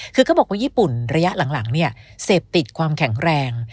คือเขาบอกว่าญี่ปุ่นระยะหลังเนี่ยเสพติดความแข็งแรง